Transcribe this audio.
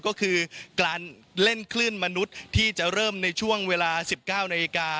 ก็คือการเล่นคลื่นมนุษย์ที่จะเริ่มในช่วงเวลา๑๙นาฬิกา